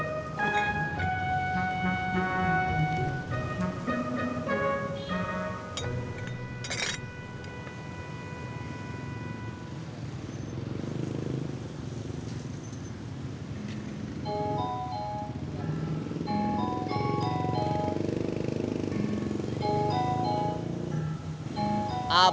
gak cukup pulsaanya